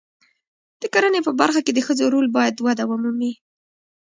د کرنې په برخه کې د ښځو رول باید وده ومومي.